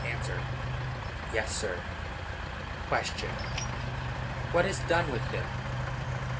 Answer. Yes, sir. Q. What is done with them?